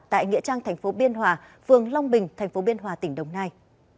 tại nghĩa trang thành phố biên hòa phường long bình thành phố biên hòa tỉnh đồng nai